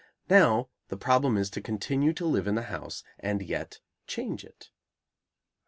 Now, the problem is to continue to live in the house and yet change it.